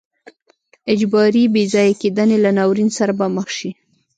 اجباري بې ځای کېدنې له ناورین سره به مخ شي.